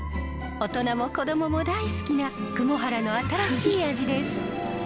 大人も子供も大好きな雲原の新しい味です。